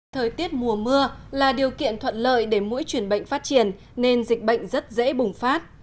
thời tiết mùa mưa là điều kiện thuận lợi để mũi truyền bệnh phát triển nên dịch bệnh rất dễ bùng phát